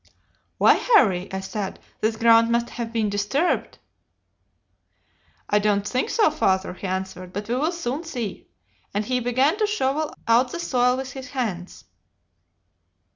"'Why, Harry,' I said, 'this ground must have been disturbed!' "'I don't think so, father,' he answered; 'but we will soon see,' and he began to shovel out the soil with his hands.